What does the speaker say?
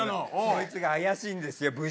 そいつが怪しいんですよ。